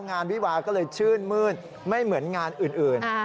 งานวิวาก็เลยชื่นมื้นไม่เหมือนงานอื่น